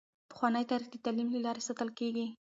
پخوانی تاریخ د تعلیم له لارې ساتل کیږي.